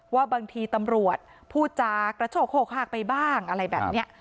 ว่าบางทีตำรวจพูดจากกระโชคโหกฮากไปบ้างอะไรแบบนี้